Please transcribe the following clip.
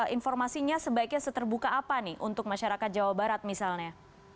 informasinya sebaiknya seterbuka apa nih untuk masyarakat jawa barat misalnya